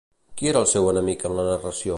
Qui era el seu enemic en la narració?